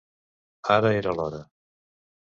Ara era l'hora!